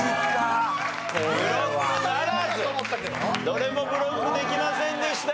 どれもブロックできませんでした。